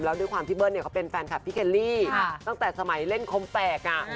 แล้วด้วยความที่เบิ้ลเขาเป็นแฟนคลับพี่เคลลี่ตั้งแต่สมัยเล่นคมแฝก